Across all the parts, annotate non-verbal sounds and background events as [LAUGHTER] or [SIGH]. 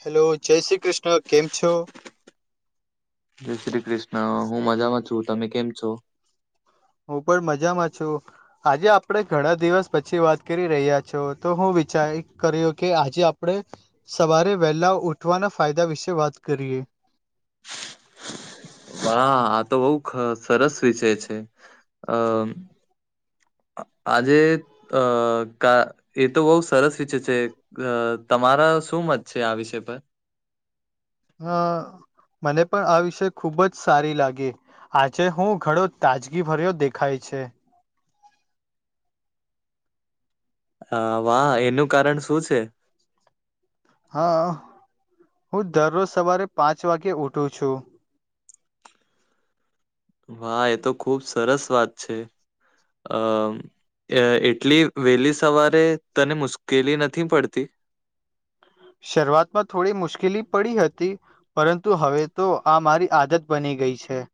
Hello જય શ્રી કૃષ્ણ કેમ છો જય શ્રી કૃષ્ણ હું મજામાં છું તમે કેમ છો હું પણ મજામાં છું આજે આપડે ઘણા દિવસ પછી વાત કરી રહ્યા છો તો હું વિચાર કર્યો કે આજે આપડે સવારે વહેલાઓ ઉઠવાના ફાયદા વિશે વાત કરીએ વા આ તો બઉ સરસ વિષય છે અ આજે અ કા એ તો બહુ સરસ વિચ છે તમારા શું મત છે આ વિષય પર હા મને પણ આ વિષય ખુબ જ સારી લાગે આજે હું ઘડો તાજગી ભર્યો દેખાય છે અ વા એનું કારણ શું છે હા હું દરરોજ સવારે પાંચ વાગ્યે ઉઠું છું વા એ તો ખુબ સરસ વાત છે અ અ એટલી વહેલી સવારે તને મુશ્કેલી નથી પડતી શરૂઆતમાં થોડી મુશ્કેલી પડી હતી પરંતુ હવે તો આ મારી આદત બની ગઈ છે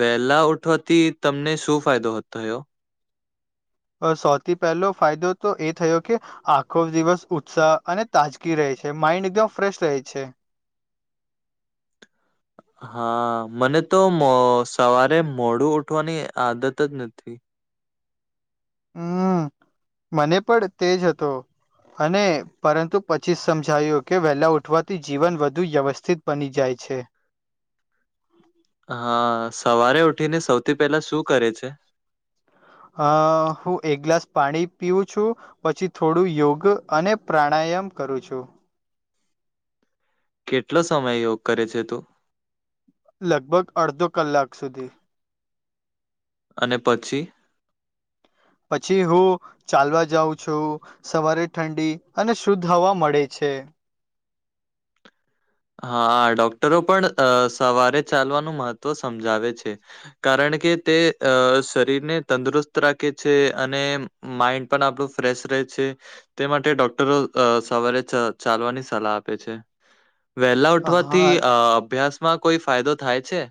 વેલા ઉઠવાથી તમને શું ફાયદો થયો સૌથી પહેલો ફાયદો તો એ થયો કે આખો દિવસ ઉત્સાહ અને તાજગી રહે છે માઇન્ડ એકદમ ફ્રેશ રહે છે હા મને તો મો સવારે મોડું ઉઠવાની આદત જ નથી હમ મને પણ તેજ હતો અને પરંતુ પછી સમજાયું કે વહેલા ઉઠવાથી જીવન વધુ વ્યવસ્થિત બની જાય છે. હા સવારે ઉઠીને સૌથી પહેલા શું કરે છે? અ હું એક ગ્લાસ પાણી પીવું છું. પછી થોડું યોગ અને પ્રાણાયામ કરું છું. કેટલો સમય યોગ કરે છે તું? લગભગ અડધો કલાક સુધી. અને પછી? પછી હું ચાલવા જાઉં છું. સવારે ઠંડી અને શુદ્ધ હવા મળે છે. હા ડોક્ટરો પણ સવારે ચાલવાનું મહત્વ સમજાવે છે. કારણ કે તે શરીરને તંદુરસ્ત રાખે છે અને માઈન્ડ પણ આપણું ફ્રેશ રહે છે. તે માટે ડોક્ટરો સવારે ચાલવાની સલાહ આપે છે. વેલા હા ઉઠવાથી અભ્યાસમાં કોઈ ફાયદો થાય છે?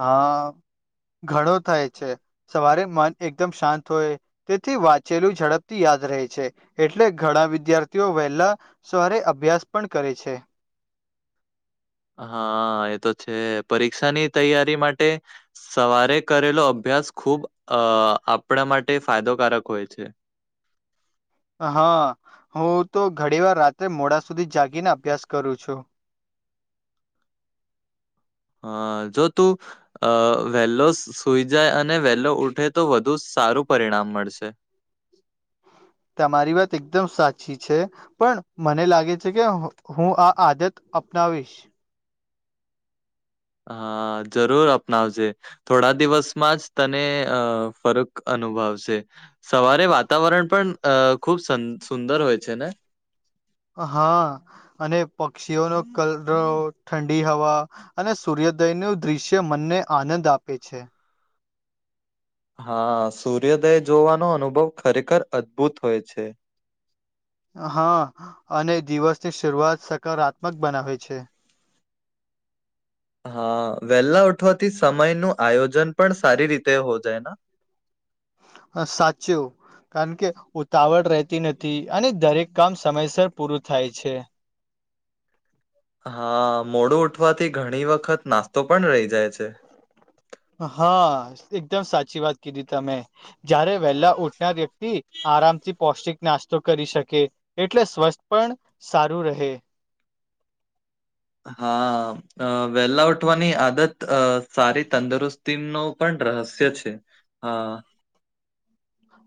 હા ઘણો થાય છે સવારે મન એકદમ શાંત હોય તેથી વાંચેલું ઝડપથી યાદ રહે છે એટલે ઘણા વિદ્યાર્થીઓ વહેલા સવારે અભ્યાસ પણ કરે છે. હા એ તો છે પરીક્ષાની તૈયારી માટે સવારે કરેલો અભ્યાસ ખૂબ અ આપણા માટે ફાયદોકારક હોય છે. હા હું તો ઘડી વાર રાત્રે મોડા સુધી જાગીને અભ્યાસ કરું છું. હા જો તું અ વહેલો સુઈ જાય અને વહેલો ઉઠે તો વધુ સારું પરિણામ મળશે. તમારી વાત એકદમ સાચી છે. પણ મને લાગે છે કે હું આ આદત અપનાવીશ. હા જરૂર અપનાવજે થોડા દિવસમાં જ તને અ ફરક અનુભવશે. સવારે વાતાવરણ પણ અ ખુબ સુંદર હોય છે ને હા અને પક્ષીઓનો કલરવ ઠંડી હવા. અને સૂર્યોદય નુ દ્રશ્ય મનને આનંદ આપે છે. હા સૂર્યોદય જોવાનો અનુભવ ખરેખર અદ્ભુત હોય છે. હા અને દિવસની શરૂઆત સકારાત્મક બનાવે છે. હા વેહેલા ઉઠવાથી સમય નું આયોજન પણ સારી રીતે હો જાય હ સાચું. કારણ કે ઉતાવળ રહેતી નથી અને દરેક કામ સમયસર પૂરું થાય છે. હા મોડું ઉઠવાથી ઘણી વખત નાસ્તો પણ રહી જાય છે. હા એકદમ સાચી વાત કીધી તમે. જયારે વહેલા ઉઠનાર વ્યક્તિ આરામથી પૌષ્ટિક નાસ્તો કરી શકે એટલે સ્વસ્થ પણ સારું રહે. હા. અ વેલા ઉઠવાની આદત સારી તંદુરસ્તી નો પણ રહસ્ય છે. હા.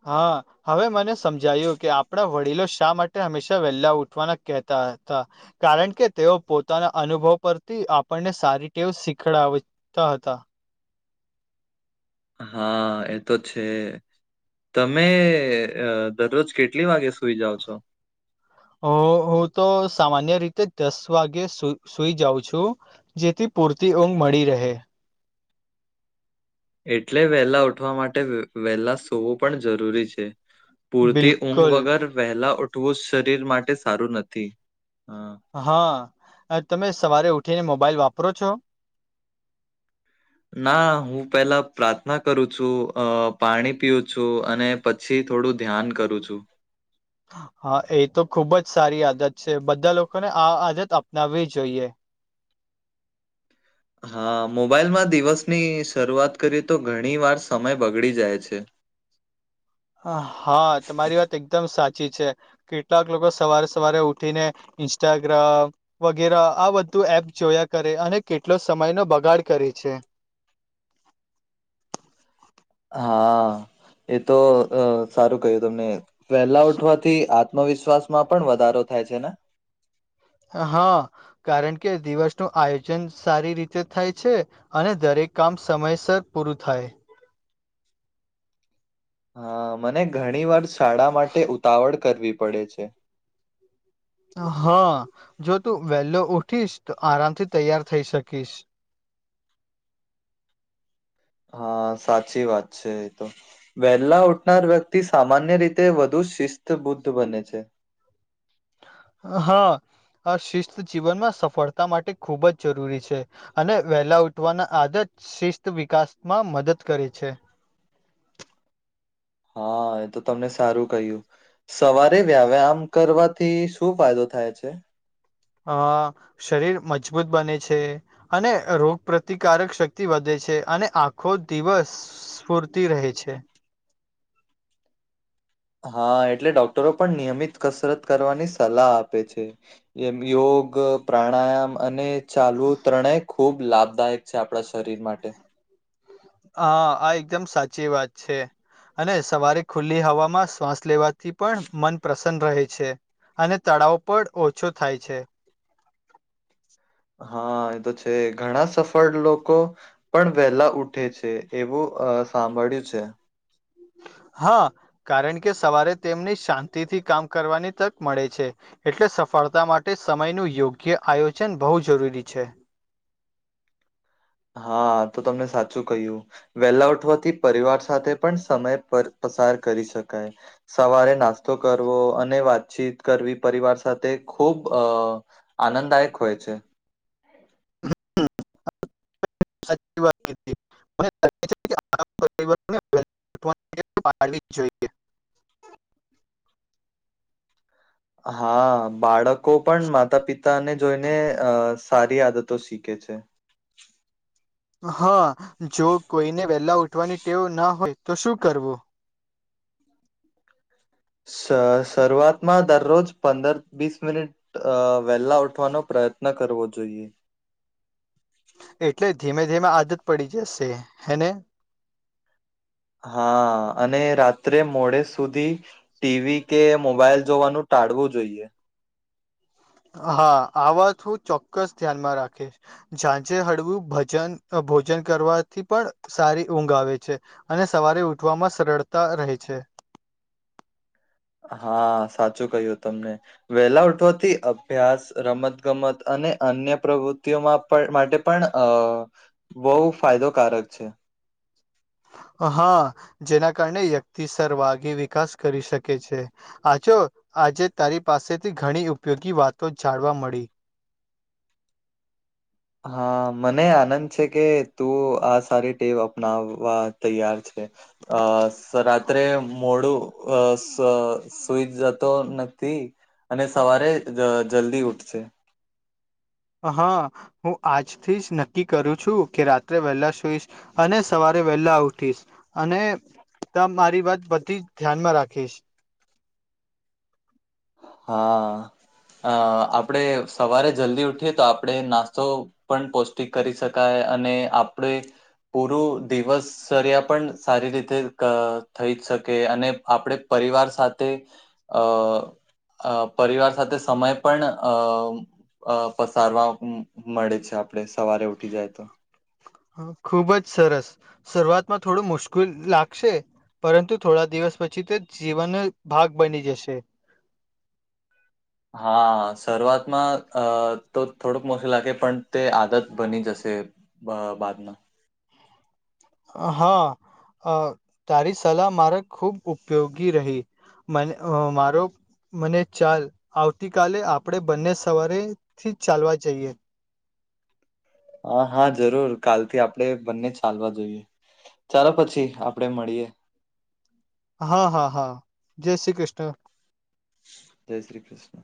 હા. હવે મને સમજાયું કે આપણા વડીલો શા માટે હંમેશા વહેલા ઉઠવાના કહેતા હતા. કારણ કે તેઓ પોતાના અનુભવ પરથી આપણને સારી ટેવ શીખડાવે તો હતા હા એ તો છે. તમે દરરોજ કેટલી વાગે સુઈ જાઓ છો. હ હું તો સામાન્ય રીતે દસ વાગે સુ સુઈ જાઉં છું જેથી પૂરતી ઊંઘ મળી રહે. એટલે વહેલા ઉઠવા માટે વહેલા સોવું પણ જરૂરી છે. પૂરતી ઊંઘ બિલકુલ વગર વહેલા ઉઠવું શરીર માટે સારું નથી હમ હા તમે સવારે ઉઠીને મોબાઈલ વાપરો છો. ના હું પેલા પ્રાર્થના કરું છું અ પાણી પીવું છું અને પછી થોડું ધ્યાન કરું છું. હા એ તો ખુબ જ સારી આદત છે બધા લોકોને આ આદત અપનાવવી જોઈએ હા મોબાઈલમાં દિવસની શરૂઆત કરીએ તો ઘણી વાર સમય બગડી જાય છે હા તમારી વાત એકદમ સાચી છે. કેટલાક લોકો સવારે સવારે ઉઠીને ઇન્સ્ટાગ્રામ. વગેરા આ બધું એપ જોયા કરે અને કેટલો સમય નો બગાડ કરે છે હા એ તો સારું કહ્યું તમને પહેલા ઉઠવાથી આત્મવિશ્વાસ માં પણ વધારો થાય છે ને. હા કારણ કે દિવસ ન આયોજન સારી રીતે થાય છે અને દરેક કામ સમયસર પૂરું થાય. હા મને ઘણી વાર શાળા માટે ઉતાવળ કરવી પડે છે હા જો તું વેલો ઉઠીશ તો આરામથી તૈયાર થઈ શકીશ હા સાચી વાત છે એ તો. વહેલા ઉઠનાર વ્યક્તિ સામાન્ય રીતે વધુ શિસ્ત બુદ્ધ બને છે હા આ શિસ્ત જીવનમાં સફળતા માટે ખૂબ જ જરૂરી છે અને વહેલા ઉઠવાના આદત શિસ્ત વિકાસમાં મદદ કરે છે હા એ તો તમને સારું કહ્યું સવારે વ્યાવે આમ. કરવાથી શું ફાયદો થાય છે. અ શરીર મજબૂત બને છે. અને રોગ પ્રતિકારક શક્તિ વધે છે અને આખો દિવસ સ્ફૂર્તિ રહેે છે. હા એટલે ડોક્ટરો પણ નિયમિત કસરત કરવાની સલાહ આપે છે એમ યોગ પ્રાણાયામ અને. ચાલવું ત્રણેય ખૂબ લાભદાયક છે આપણા શરીર માટે. હા આ એકદમ સાચી વાત છે. અને સવારે ખુલ્લી હવામાં શ્વાસ લેવાથી પણ મન પ્રસન્ન રહે છે અને તળાવ પણ ઓછો થાય છે. હા એ તો છે ઘણા સફળ લોકો પણ વેલા ઉઠે છે એવું અ સાંભળ્યું છે. હા કારણ કે સવારે તેમને શાંતિ થી કામ કરવાની તક મળે છે. એટલે સફળતા માટે સમયનું યોગ્ય આયોજન બહુ જરૂરી છે. હા તો તમને સાચું કહ્યું વેલા ઉઠવાથી પરિવાર સાથે પણ સમય પર પસાર કરી શકાય સવારે નાસ્તો કરવો અને વાતચીત કરવી પરિવાર સાથે ખૂબ અ આનંદદાયક હોય છે. [INAUDIBLE] જોઈએ [INAUDIBLE] હા બાળકો પણ માતા પિતાને જોઈને અ સારી આદતો શીખે છે. હા જો કોઈને વેલા ઉઠવાની ટેવ ના હોય તો શું કરવું શરૂઆતમાં દરરોજ પંદર વીસ મિનિટ વેહેલા ઉઠવાનો પ્રયત્ન કરવો જોઈએ એટલે ધીમે ધીમે આદત પડી જશે હેને હા અને રાત્રે મોડે સુધી ટીવી કે મોબાઈલ જોવાનું ટાળવું જોઈએ હા આ વાત હું ચોક્કસ ધ્યાનમાં રાખીશ ઝાંઝે હળવું ભજન ભોજન કરવાથી પણ સારી ઊંઘ આવે છે. અને સવારે ઉઠવામાં સરળતા રહે છે હા સાચું કહ્યું તમને વેલા ઉઠવાથી અભ્યાસ રમત ગમત અને અન્ય પ્રવૃતિઓમાં માટે પણ અ બહુ ફાયદોકારક છે. હા જેના કારણે વ્યક્તિ સરર વાઘી વિકાસ કરી શકે છે. આચો આજે તારી પાસેથી ઘણી ઉપયોગી વાતો જાણવા મળી હા મને આનંદ છે કે તું આ સારી ટેવ અપનાવવા તૈયાર છે. અ રાત્રે મોળું અ સુઈ જતો નથી અને સવારે જલ્દી ઉઠશે હા હું આજથી જ નક્કી કરું છું કે રાત્રે વહેલા સુઈ અને સવારે વેલા ઉઠીશ અને ત મારી વાત બધી જ ધ્યાનમાં રાખીશ હા અ આપણેે સવારે જલ્દી ઉઠીએ તો આપડણે નાસ્તો પણ પૌષ્ટિક કરી શકાય અને આપણે પૂરું દિવસ સરિયા પણ સારી રીતે થઈ જ શકે અને આપણે પરિવાર સાથે અ પરિવાર સાથે સમય પણ અ અ પસારવા મળે છે આપડે સવારે ઉઠી જાય તો હ ખુબ જ સરસ શરૂઆતમાં થોડું મુશ્કેલ લાગશે પરંતુ થોડા દિવસ પછી તે જીવનનો ભાગ બની જશે હા શરૂઆતમાં અ તો થોડુંક મોશું લાગે પણ તે આદત બની જશે બ બાદમાં [INAUDIBLE] અ તારી સલાહ મારે ખૂબ ઉપયોગી રહી મને મારો મને ચાલ આવતી કલે આપણેે બંને સવારે થી ચાલવા જઈએ હા હા જરૂર કાલથી આપણે બંને ચાલવા જોઈએ ચાલો પછી આપડે મળીએે હા હા હા જય શ્રી કૃષ્ણ જય શ્રી કૃષ્ણ